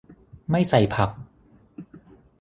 ไม่ใส่ผัก